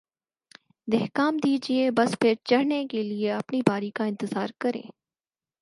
دھکا م دیجئے، بس پر چڑھنے کے لئے اپنی باری کا انتظار کریں